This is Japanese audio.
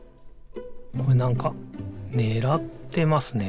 これなんかねらってますね。